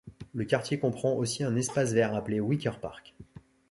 Le quartier comprend aussi un espace vert appelé Wicker Park.